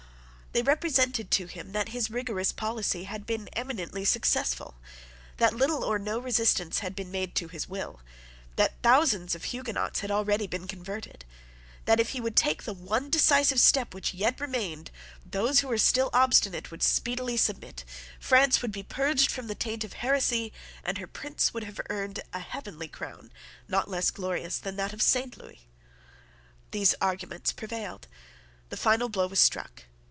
They represented to him that his rigorous policy had been eminently successful, that little or no resistance had been made to his will, that thousands of Huguenots had already been converted, that, if he would take the one decisive step which yet remained, those who were still obstinate would speedily submit, France would be purged from the taint of heresy, and her prince would have earned a heavenly crown not less glorious than that of Saint Lewis. These arguments prevailed. The final blow was struck.